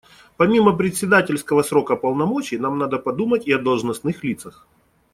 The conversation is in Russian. Помимо председательского срока полномочий нам надо подумать и о должностных лицах.